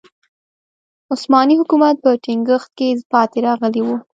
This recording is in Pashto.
عثماني حکومت په ټینګښت کې پاتې راغلی و.